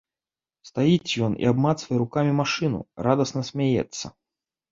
Стаіць ён і абмацвае рукамі машыну, радасна смяецца.